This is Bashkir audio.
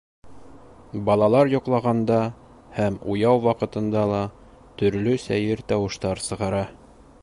Балалар йоҡлағанда һәм уяу ваҡытында ла төрлө сәйер тауыштар сығара.